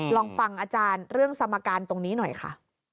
ลองฟังอาจารย์เรื่องสมการตรงนี้หน่อยค่ะ